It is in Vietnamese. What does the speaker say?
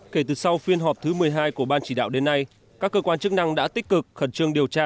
kể từ sau phiên họp thứ một mươi hai của ban chỉ đạo đến nay các cơ quan chức năng đã tích cực khẩn trương điều tra